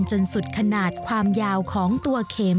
คอยใช้มือรูดติดให้แน่นพันจนสุดขนาดความยาวของตัวเข็ม